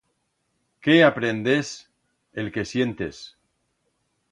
Qué aprendes? El que sientes